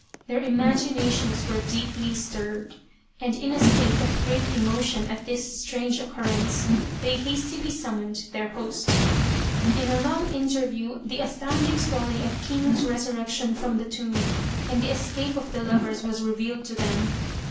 Their imaginations were deeply stirred, and in a state of great emotion at this strange occurrence, they hastily summoned their host. In a long interview the astounding story of Kinu's resurrection from the tomb and the escape of the lovers was revealed to them.